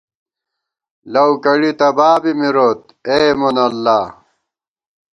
لَؤ کڑی تَبابی مِروت، اے مونہ اللہ